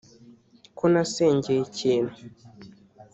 ko nasengeye ikintu